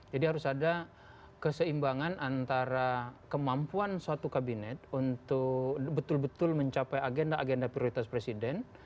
jadi harus ada keseimbangan antara kemampuan suatu kabinet untuk betul betul mencapai agenda agenda prioritas presiden